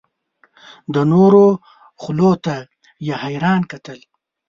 د نورو خولو ته یې حیران کتل.